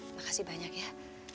makasih banyak ya